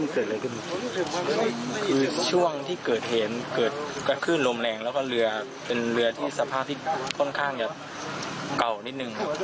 คือช่วงที่เกิดเห็นเกิดกัดขึ้นลมแรงแล้วก็เรือเป็นเรือที่สภาพที่ค่อนข้างก็เก่านิดหนึ่ง